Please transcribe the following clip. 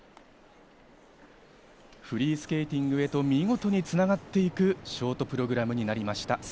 フリースケーティングへと見事に繋がっていくショートプログラムになりました。